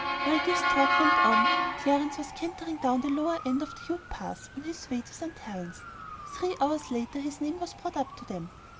While this talk went on, Clarence was cantering down the lower end of the Ute Pass on his way to St. Helen's. Three hours later his name was brought up to them.